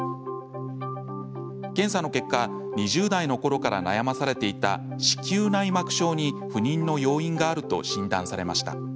検査の結果、２０代のころから悩まされていた子宮内膜症に不妊の要因があると診断されました。